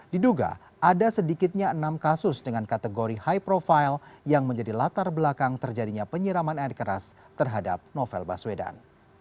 diduga ada sedikitnya enam kasus dengan kategori high profile yang menjadi latar belakang terjadinya penyiraman air keras terhadap novel baswedan